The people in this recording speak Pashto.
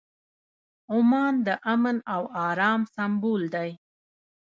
عمان د امن او ارام سمبول دی.